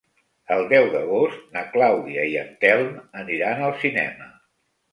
El deu d'agost na Clàudia i en Telm aniran al cinema.